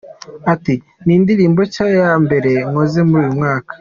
Ati “ Ni indirimbo nshya ya mbere nkoze muri uyu mwaka.